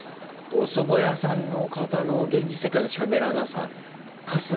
おそば屋さんの方の現実世界のしゃべらなさ春日